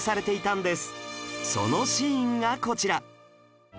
そのシーンがこちら！